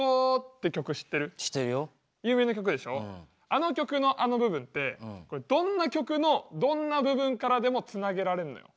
あの曲のあの部分ってこれどんな曲のどんな部分からでもつなげられんのよ。